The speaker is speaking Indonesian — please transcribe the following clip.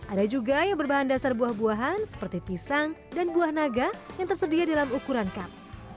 ada juga yang berbahan dasar buah buahan seperti pisang dan buah naga yang tersedia dalam ukuran kap